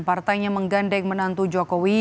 partainya menggandeng menantu jokowi